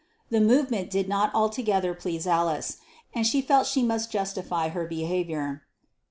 The movement did not altogether please Alice, and she felt she must justify her behaviour.